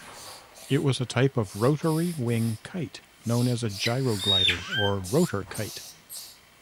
It was a type of rotary-wing kite, known as a gyroglider or rotor kite.